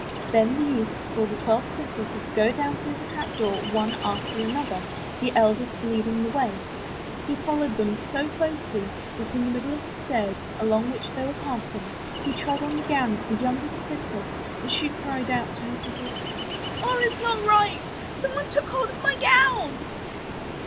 Then the youth saw the twelve princesses go down through the trap door one after another, the eldest lead ing the way. He followed them so closely that in the middle of the stairs along which they were passing, he trod on the gown of the youngest princess and she cried out to her sisters, *'A11 is not right, some one took hold of my gown.'